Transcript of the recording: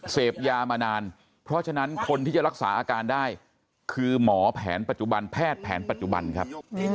เสพยามานานเพราะฉะนั้นคนที่จะรักษาอาการได้คือหมอแผนปัจจุบันแพทย์แผนปัจจุบันครับ